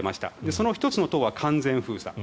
その１つの棟は完全封鎖。